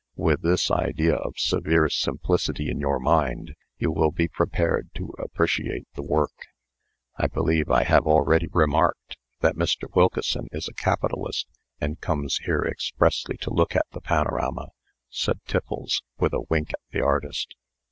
With this idea of severe simplicity in your mind, you will be prepared to appreciate the work," "I believe I have already remarked, that Mr. Wilkeson is a capitalist, and comes here expressly to look at the panorama," said Tiffles; with a wink at the artist.